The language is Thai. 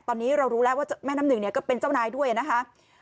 ตอนนี้เรารู้แล้วว่าแม่น้ำหนึ่งเนี่ยก็เป็นเจ้านายด้วยนะคะ